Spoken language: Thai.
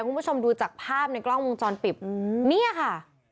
คุณผู้ชมดูจากภาพในกล้องวงจรปิดเนี่ยค่ะ